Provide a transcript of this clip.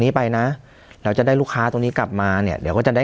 นี้ไปนะเราจะได้ลูกค้าตรงนี้กลับมาเนี่ยเดี๋ยวก็จะได้